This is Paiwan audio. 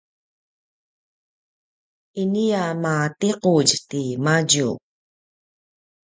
ini a matiqudj tiamadju